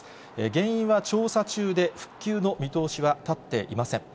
原因は調査中で、復旧の見通しは立っていません。